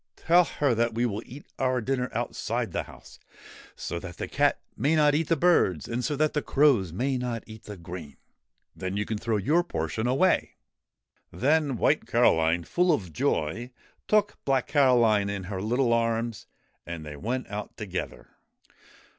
Tell her that we will eat our dinner outside the house, so that the cat may not eat the birds and so that the crows may not eat the grain. Then you can throw your portion away.' Then White Caroline, full of joy, took Black Caroline in her little arms and they went out together.